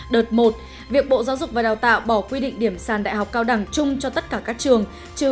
đợt một việc bộ giáo dục và đào tạo bỏ quy định điểm sàn đại học cao đẳng chung cho tất cả các trường